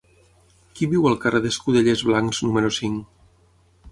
Qui viu al carrer d'Escudellers Blancs número cinc?